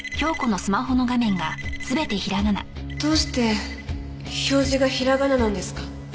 どうして表示がひらがななんですか？